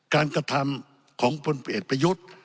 กระทำของพลเอกประยุทธ์